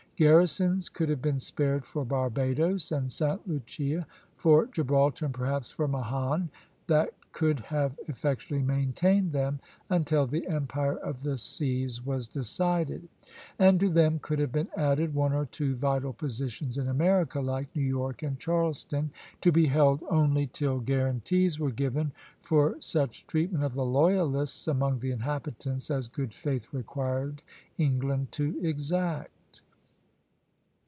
Garrisons could have been spared for Barbadoes and Sta. Lucia, for Gibraltar and perhaps for Mahon, that could have effectually maintained them until the empire of the seas was decided; and to them could have been added one or two vital positions in America, like New York and Charleston, to be held only till guarantees were given for such treatment of the loyalists among the inhabitants as good faith required England to exact.